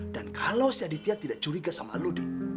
dan kalau si aditya tidak curiga sama lu di